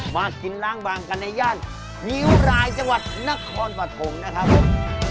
มากินล้างบางกันในย่านงิ้วรายจังหวัดนครปฐมนะครับผม